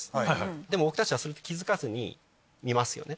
でも僕たちはそれに気付かずに見ますよね？